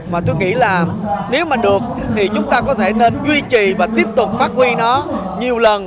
và tôi nghĩ là nếu mà được thì chúng ta có thể nên duy trì và tiếp tục phát huy nó nhiều lần